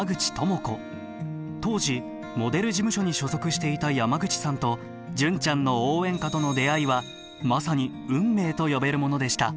当時モデル事務所に所属していた山口さんと「純ちゃんの応援歌」との出会いはまさに運命と呼べるものでした。